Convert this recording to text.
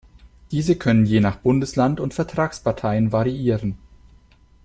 Diese können je nach Bundesland und Vertragsparteien variieren.